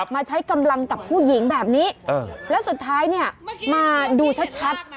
มาใช้กำลังกับผู้หญิงแบบนี้แล้วสุดท้ายเนี่ยมาดูชัด